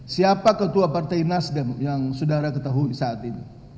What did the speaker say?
siapa ketua partai nasdem yang saudara ketahui saat ini